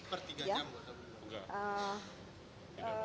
per tiga jam